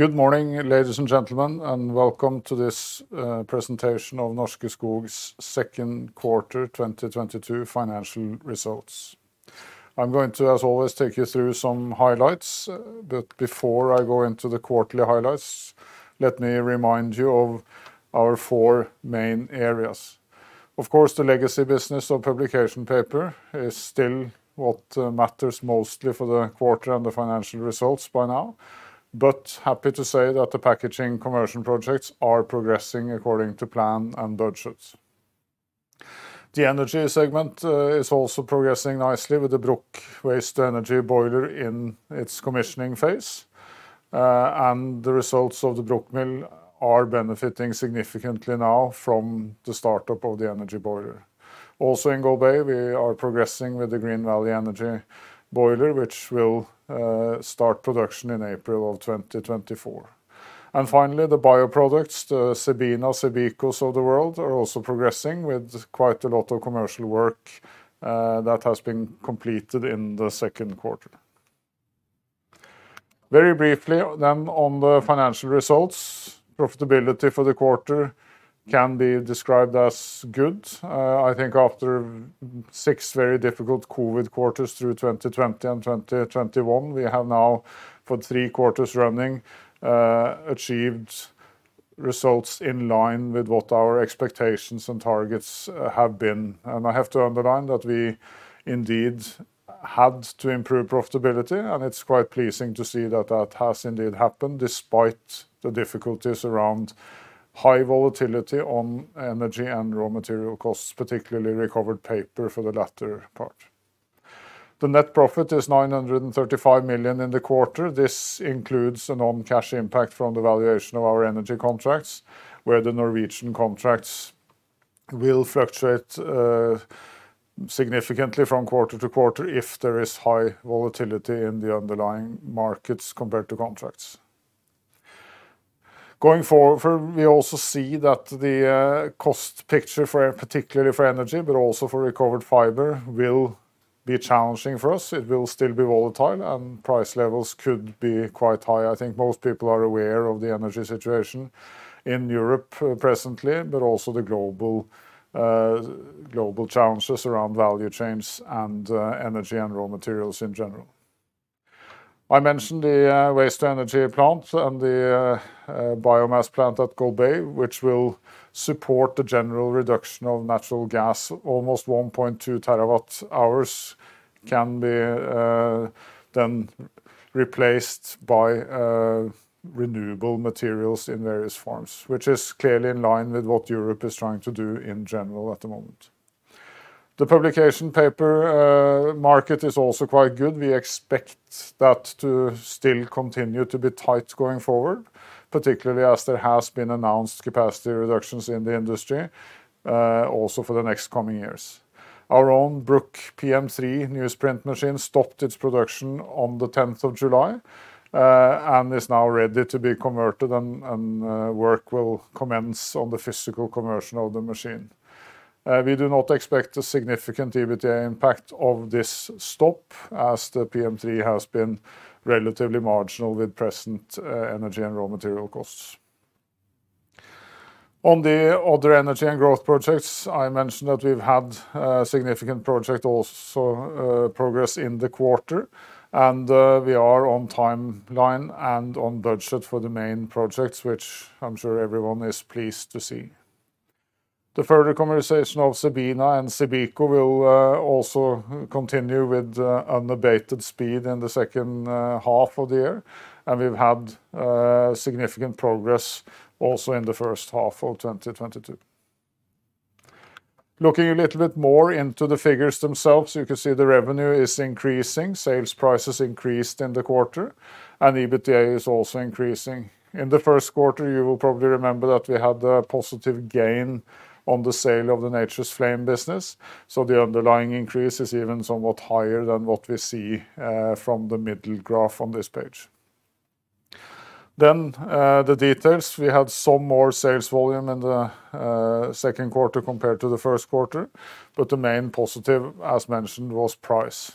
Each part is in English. Good morning, ladies and gentlemen, and welcome to this, presentation of Norske Skog's Second Quarter 2022 Financial Results. I'm going to, as always, take you through some highlights, but before I go into the quarterly highlights, let me remind you of our four main areas. Of course, the legacy business of publication paper is still what matters mostly for the quarter and the financial results by now, but happy to say that the packaging conversion projects are progressing according to plan and budgets. The energy segment is also progressing nicely with the Bruck waste energy boiler in its commissioning phase. The results of the Bruck mill are benefiting significantly now from the startup of the energy boiler. Also in Golbey, we are progressing with the Green Valley Energie boiler, which will start production in April of 2024. Finally, the bioproducts, the CEBINA, CEBICO's of the world, are also progressing with quite a lot of commercial work that has been completed in the second quarter. Very briefly on the financial results, profitability for the quarter can be described as good. I think after six very difficult COVID quarters through 2020 and 2021, we have now for three quarters running achieved results in line with what our expectations and targets have been. I have to underline that we indeed had to improve profitability, and it's quite pleasing to see that that has indeed happened despite the difficulties around high volatility on energy and raw material costs, particularly recovered paper for the latter part. The net profit is 935 million in the quarter. This includes a non-cash impact from the valuation of our energy contracts, where the Norwegian contracts will fluctuate significantly from quarter to quarter if there is high volatility in the underlying markets compared to contracts. Going forward, we also see that the cost picture particularly for energy, but also for recovered fiber, will be challenging for us. It will still be volatile, and price levels could be quite high. I think most people are aware of the energy situation in Europe presently, but also the global challenges around value chains and energy and raw materials in general. I mentioned the waste energy plant and the biomass plant at Golbey, which will support the general reduction of natural gas. Almost 1.2 TWh can be then replaced by renewable materials in various forms, which is clearly in line with what Europe is trying to do in general at the moment. The publication paper market is also quite good. We expect that to still continue to be tight going forward, particularly as there has been announced capacity reductions in the industry also for the next coming years. Our own Bruck PM3 newsprint machine stopped its production on the tenth of July and is now ready to be converted and work will commence on the physical conversion of the machine. We do not expect a significant EBITDA impact of this stop, as the PM3 has been relatively marginal with present energy and raw material costs. On the other energy and growth projects, I mentioned that we've had significant progress also in the quarter, and we are on timeline and on budget for the main projects, which I'm sure everyone is pleased to see. The further development of CEBINA and CEBICO will also continue with unabated speed in the second half of the year, and we've had significant progress also in the first half of 2022. Looking a little bit more into the figures themselves, you can see the revenue is increasing, sales prices increased in the quarter, and EBITDA is also increasing. In the first quarter, you will probably remember that we had a positive gain on the sale of the Nature's Flame business, so the underlying increase is even somewhat higher than what we see from the middle graph on this page. The details, we had some more sales volume in the second quarter compared to the first quarter, but the main positive, as mentioned, was price.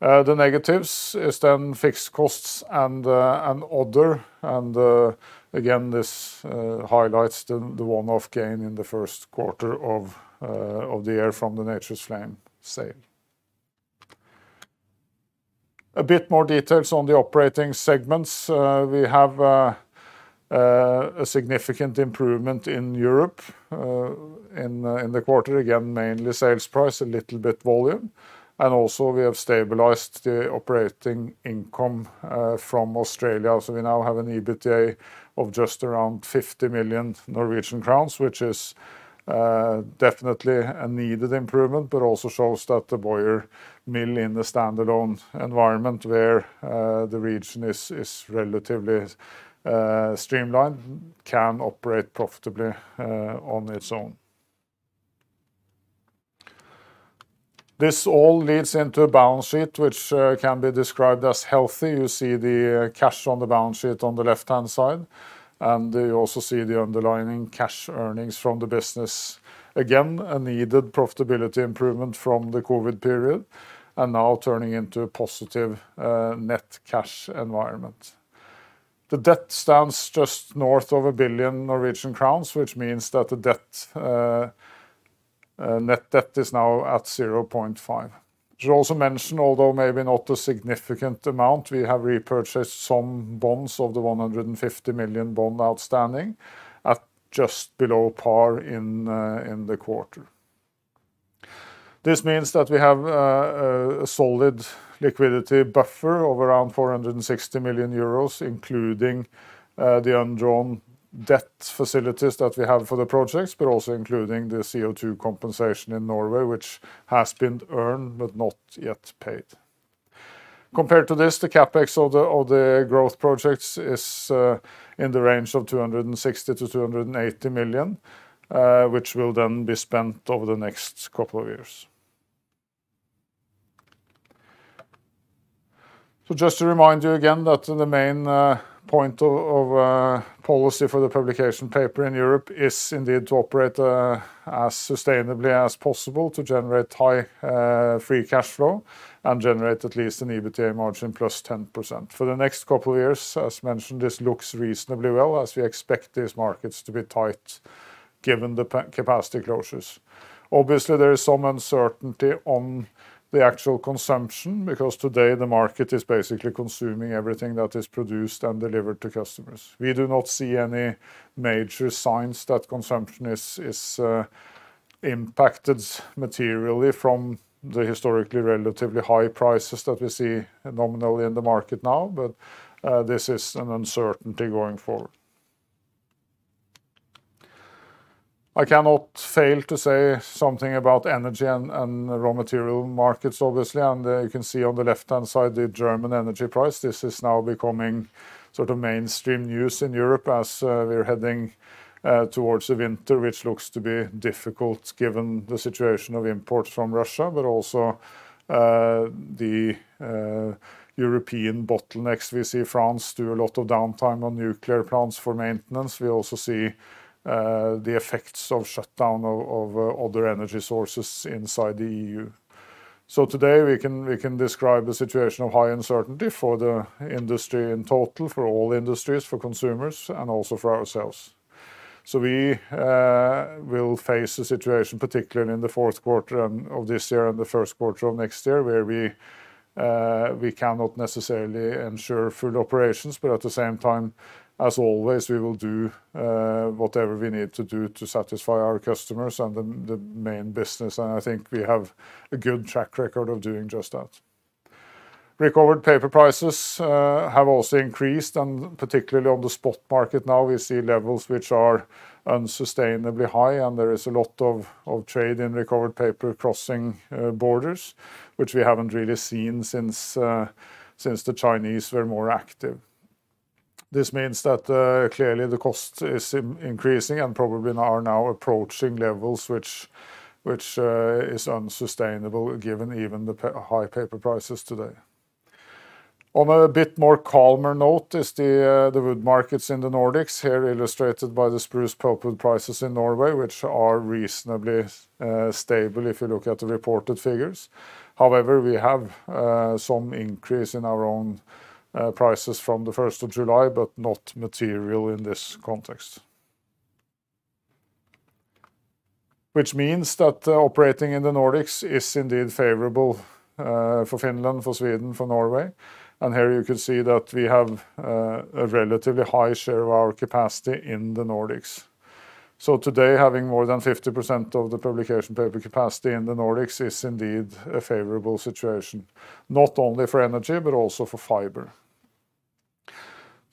The negatives is then fixed costs and other, again, this highlights the one-off gain in the first quarter of the year from the Nature's Flame sale. A bit more details on the operating segments. We have a significant improvement in Europe in the quarter, again, mainly sales price, a little bit volume. Also we have stabilized the operating income from Australia. We now have an EBITDA of just around NOK 50 million, which is definitely a needed improvement, but also shows that the Boyer mill in the standalone environment where the region is relatively streamlined can operate profitably on its own. This all leads into a balance sheet which can be described as healthy. You see the cash on the balance sheet on the left-hand side, and you also see the underlying cash earnings from the business. Again, a needed profitability improvement from the COVID period, and now turning into a positive net cash environment. The debt stands just north of 1 billion Norwegian crowns, which means that the net debt is now at 0.5 billion. Should also mention, although maybe not a significant amount, we have repurchased some bonds of the 150 million bond outstanding at just below par in the quarter. This means that we have a solid liquidity buffer of around 460 million euros, including the undrawn debt facilities that we have for the projects, but also including the CO2 compensation in Norway, which has been earned but not yet paid. Compared to this, the CapEx of the growth projects is in the range of 260 million-280 million, which will then be spent over the next couple of years. Just to remind you again that the main point of policy for the publication paper in Europe is indeed to operate as sustainably as possible to generate high free cash flow and generate at least an EBITDA margin +10%. For the next couple of years, as mentioned, this looks reasonably well as we expect these markets to be tight given the capacity closures. Obviously, there is some uncertainty on the actual consumption because today the market is basically consuming everything that is produced and delivered to customers. We do not see any major signs that consumption is impacted materially from the historically relatively high prices that we see nominally in the market now. this is an uncertainty going forward. I cannot fail to say something about energy and raw material markets, obviously, and you can see on the left-hand side the German energy price. This is now becoming sort of mainstream news in Europe as we're heading towards the winter, which looks to be difficult given the situation of imports from Russia, but also the European bottlenecks. We see France do a lot of downtime on nuclear plants for maintenance. We also see the effects of shutdown of other energy sources inside the E.U. Today we can describe the situation of high uncertainty for the industry in total, for all industries, for consumers, and also for ourselves. We will face a situation, particularly in the fourth quarter of this year and the first quarter of next year, where we cannot necessarily ensure full operations, but at the same time, as always, we will do whatever we need to do to satisfy our customers and the main business, and I think we have a good track record of doing just that. Recovered paper prices have also increased, and particularly on the spot market now we see levels which are unsustainably high and there is a lot of trade in recovered paper crossing borders, which we haven't really seen since the Chinese were more active. This means that clearly the cost is increasing and probably now approaching levels which is unsustainable given even the high paper prices today. On a bit more calmer note is the wood markets in the Nordics, here illustrated by the spruce pulpwood prices in Norway, which are reasonably stable if you look at the reported figures. However, we have some increase in our own prices from the first of July, but not material in this context. Which means that operating in the Nordics is indeed favorable for Finland, for Sweden, for Norway, and here you can see that we have a relatively high share of our capacity in the Nordics. Today, having more than 50% of the publication paper capacity in the Nordics is indeed a favorable situation, not only for energy, but also for fiber.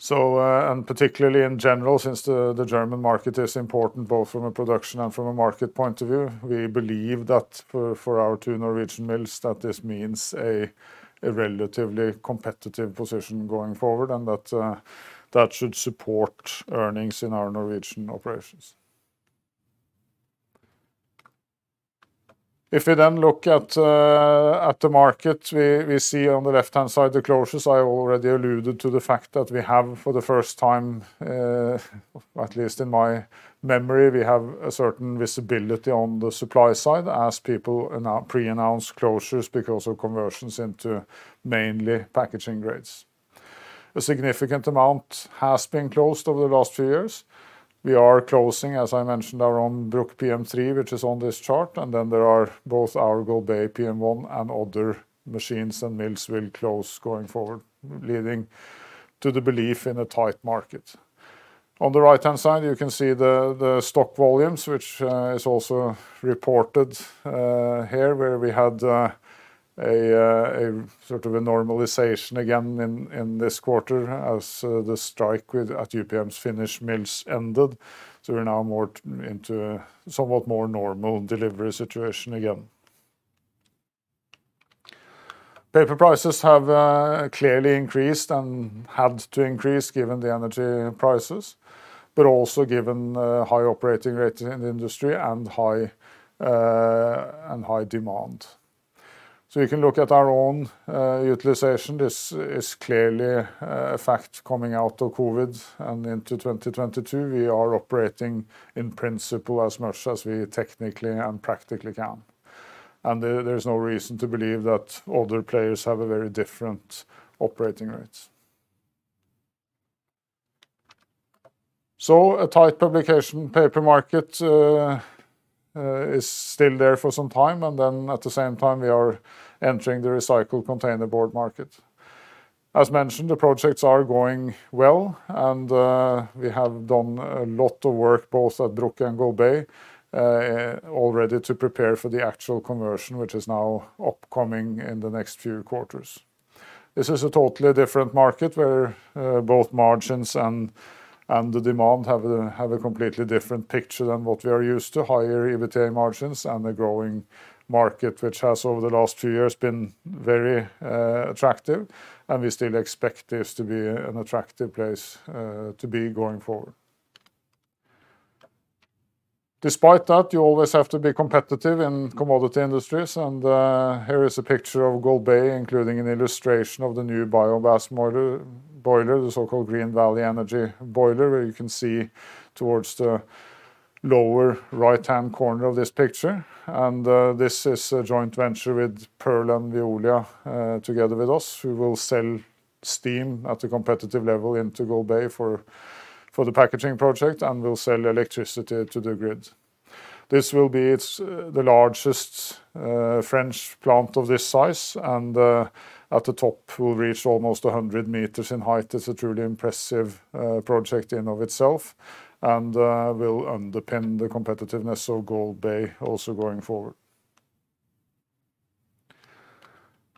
Particularly in general, since the German market is important both from a production and from a market point of view, we believe that for our two Norwegian mills, that this means a relatively competitive position going forward and that that should support earnings in our Norwegian operations. If we then look at the market, we see on the left-hand side the closures. I already alluded to the fact that we have for the first time, at least in my memory, we have a certain visibility on the supply side as people preannounce closures because of conversions into mainly packaging grades. A significant amount has been closed over the last few years. We are closing, as I mentioned, our own Bruck PM3, which is on this chart, and then there are both our Golbey PM1 and other machines, and mills will close going forward, leading to the belief in a tight market. On the right-hand side, you can see the stock volumes, which is also reported here, where we had a sort of a normalization again in this quarter as the strike at UPM's Finnish mills ended. We're now more into somewhat more normal delivery situation again. Paper prices have clearly increased and had to increase given the energy prices, but also given high operating rates in the industry and high demand. We can look at our own utilization. This is clearly a fact coming out of COVID and into 2022. We are operating in principle as much as we technically and practically can, and there there's no reason to believe that other players have a very different operating rates. A tight publication paper market is still there for some time. At the same time, we are entering the recycled containerboard market. As mentioned, the projects are going well, and we have done a lot of work both at Bruck and Golbey already to prepare for the actual conversion, which is now upcoming in the next few quarters. This is a totally different market where both margins and the demand have a completely different picture than what we are used to, higher EBITDA margins and a growing market, which has over the last few years been very attractive, and we still expect this to be an attractive place to be going forward. Despite that, you always have to be competitive in commodity industries and here is a picture of Golbey, including an illustration of the new biomass boiler, the so-called Green Valley Energie boiler, where you can see towards the lower right-hand corner of this picture. This is a joint venture with Paprec and Veolia together with us. We will sell steam at a competitive level into Golbey for the packaging project, and we'll sell electricity to the grid. This will be its the largest French plant of this size and at the top will reach almost 100 m in height. It's a truly impressive project in and of itself and will underpin the competitiveness of Golbey also going forward.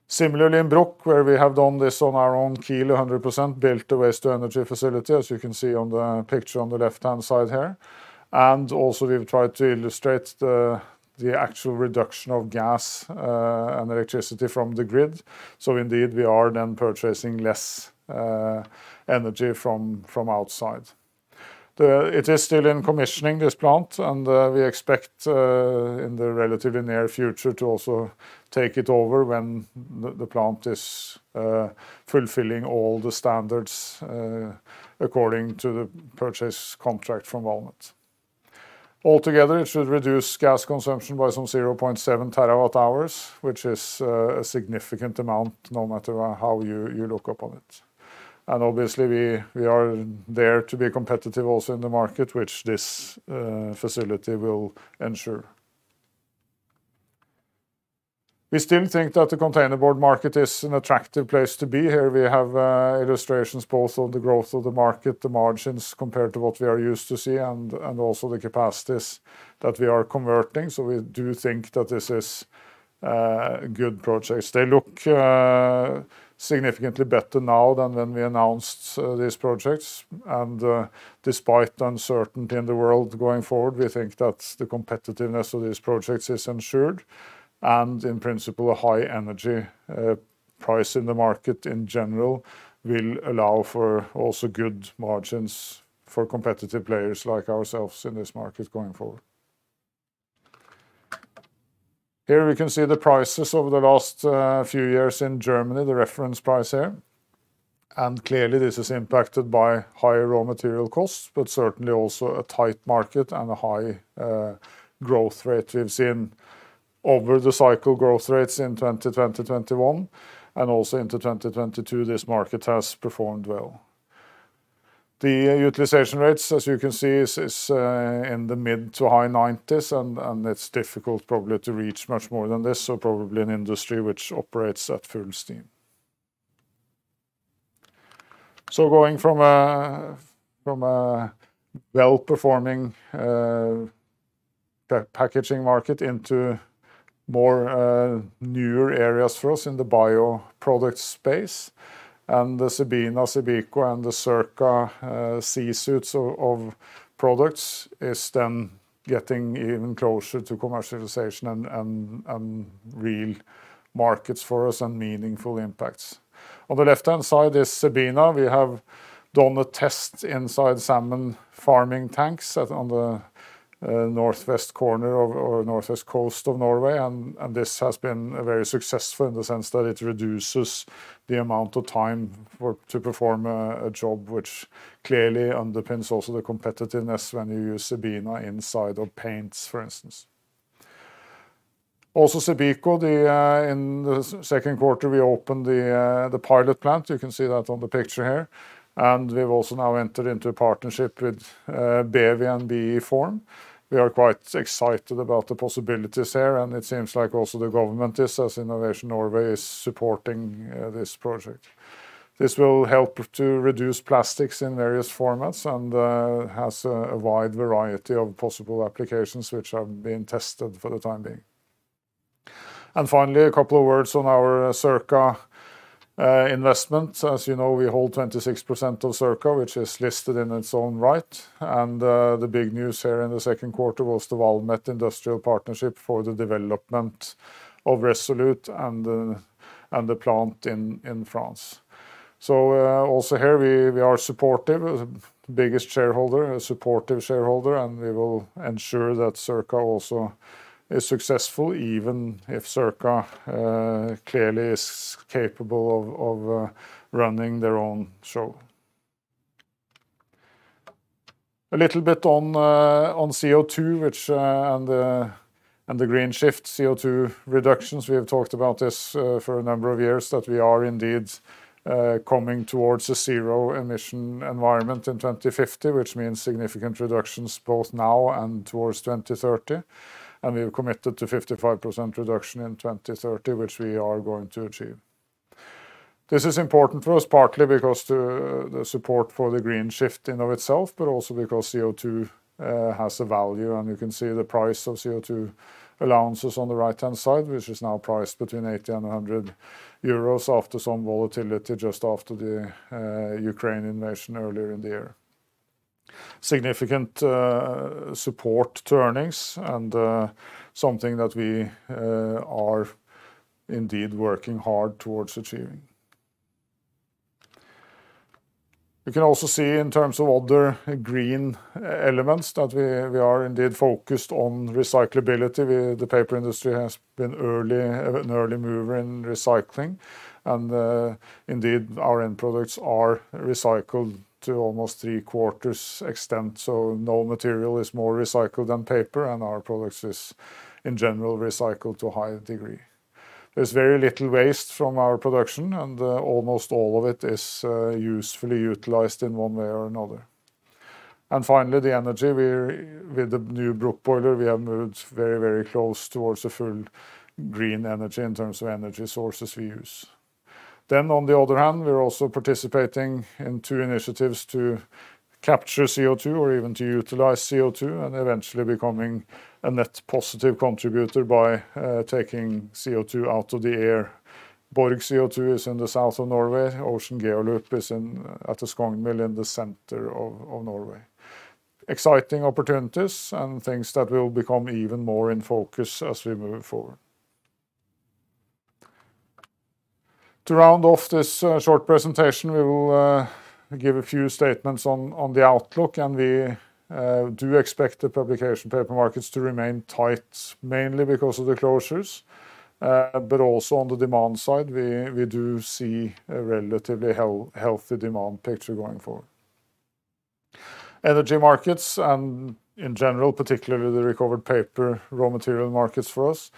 Similarly, in Bruck, where we have done this on our own keel 100%, built the waste-to-energy facility, as you can see on the picture on the left-hand side here. Also we've tried to illustrate the actual reduction of gas and electricity from the grid. Indeed, we are then purchasing less energy from outside. It is still in commissioning, this plant, and we expect in the relatively near future to also take it over when the plant is fulfilling all the standards according to the purchase contract from Valmet. Altogether, it should reduce gas consumption by some 0.7 TWh, which is a significant amount no matter how you look upon it. Obviously we are there to be competitive also in the market, which this facility will ensure. We still think that the containerboard market is an attractive place to be. Here we have illustrations both of the growth of the market, the margins compared to what we are used to see and also the capacities that we are converting. We do think that this is good projects. They look significantly better now than when we announced these projects. Despite uncertainty in the world going forward, we think that the competitiveness of these projects is ensured. In principle, a high energy price in the market in general will allow for also good margins for competitive players like ourselves in this market going forward. Here we can see the prices over the last few years in Germany, the reference price here. Clearly this is impacted by higher raw material costs, but certainly also a tight market and a high growth rate we've seen over the cycle growth rates in 2020, 2021 and also into 2022, this market has performed well. The utilization rates, as you can see, is in the mid- to high 90s and it's difficult probably to reach much more than this. Probably an industry which operates at full steam. Going from a well-performing packaging market into more newer areas for us in the bioproduct space and the CEBINA, CEBICO and the Circa [Cersuit of products is then getting even closer to commercialization and real markets for us and meaningful impacts. On the left-hand side is CEBINA. We have done a test inside salmon farming tanks on the northwest coast of Norway, and this has been very successful in the sense that it reduces the amount of time to perform a job which clearly underpins also the competitiveness when you use CEBINA inside of paints, for instance. Also CEBICO, in the second quarter, we opened the pilot plant. You can see that on the picture here. We've also now entered into a partnership with BEWI and BEFORM. We are quite excited about the possibilities here, and it seems like also the government is, as Innovation Norway is supporting, this project. This will help to reduce plastics in various formats and has a wide variety of possible applications which are being tested for the time being. Finally, a couple of words on our Circa investment. As you know, we hold 26% of Circa, which is listed in its own right, and the big news here in the second quarter was the Valmet industrial partnership for the development of ReSolute and the plant in France. Also here we are supportive, the biggest shareholder, a supportive shareholder, and we will ensure that Circa also is successful even if Circa clearly is capable of running their own show. A little bit on CO2 and the green shift. CO2 reductions, we have talked about this for a number of years, that we are indeed coming towards a zero emission environment in 2050, which means significant reductions both now and towards 2030. We've committed to 55% reduction in 2030, which we are going to achieve. This is important for us partly because the support for the green shift in and of itself, but also because CO2 has a value, and you can see the price of CO2 allowances on the right-hand side, which is now priced between 80 and 100 euros after some volatility just after the Ukraine invasion earlier in the year. Significant support to earnings and something that we are indeed working hard towards achieving. You can also see in terms of other green elements that we are indeed focused on recyclability. The paper industry has been an early mover in recycling, and indeed, our end products are recycled to almost three quarters extent, so no material is more recycled than paper, and our products is, in general, recycled to a high degree. There's very little waste from our production, and almost all of it is usefully utilized in one way or another. Finally, the energy. We're with the new Bruck boiler, we have moved very, very close towards a full green energy in terms of energy sources we use. On the other hand, we're also participating in two initiatives to capture CO2 or even to utilize CO2 and eventually becoming a net positive contributor by taking CO2 out of the air. Borg CO2 is in the south of Norway. Ocean GeoLoop is at the Skogn mill in the center of Norway. Exciting opportunities and things that will become even more in focus as we move forward. To round off this short presentation, we will give a few statements on the outlook, and we do expect the publication paper markets to remain tight, mainly because of the closures. Also on the demand side, we do see a relatively healthy demand picture going forward. Energy markets and in general, particularly the recovered paper raw material markets for us,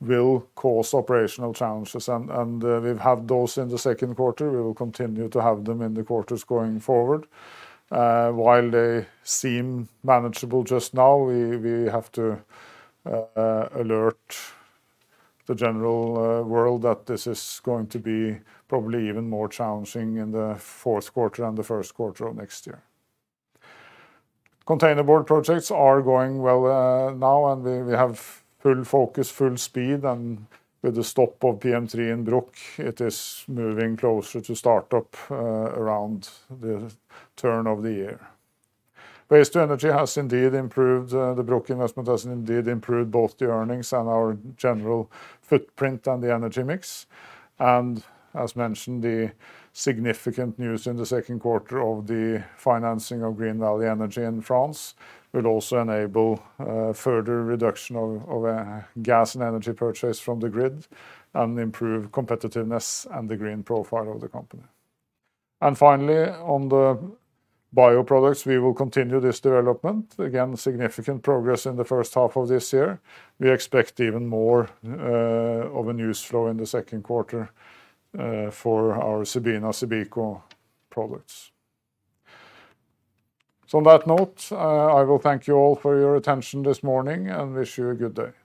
will cause operational challenges, and we've had those in the second quarter. We will continue to have them in the quarters going forward. While they seem manageable just now, we have to alert the general world that this is going to be probably even more challenging in the fourth quarter and the first quarter of next year. Containerboard projects are going well, now, and we have full focus, full speed, and with the stop of PM3 in Bruck, it is moving closer to start-up, around the turn of the year. Waste to energy has indeed improved. The Bruck investment has indeed improved both the earnings and our general footprint and the energy mix. As mentioned, the significant news in the second quarter of the financing of Green Valley Energie in France will also enable further reduction of gas and energy purchase from the grid and improve competitiveness and the green profile of the company. Finally, on the bioproducts, we will continue this development. Again, significant progress in the first half of this year. We expect even more of a news flow in the second quarter for our CEBINA/CEBICO products. On that note, I will thank you all for your attention this morning and wish you a good day.